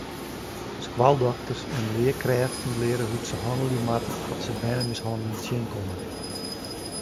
Skoaldokters en learkrêften leare hoe't se hannelje moatte at se bernemishanneling tsjinkomme.